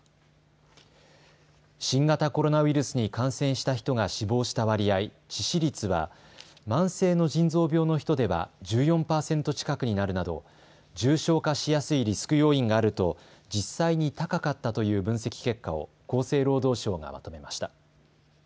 新型コロナウイルスに感染した人が死亡した割合、致死率は慢性の腎臓病の人では１４％近くになるなど重症化しやすいリスク要因があると実際に高かったという分析結果を厚生労働省がまとめました。